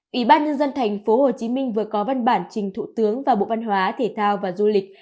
ủy ban nhân dân thành phố hồ chí minh vừa có văn bản trình thủ tướng và bộ văn hóa thể thao và du lịch